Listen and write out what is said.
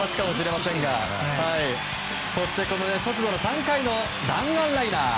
そしてこの直後の３回の弾丸ライナー。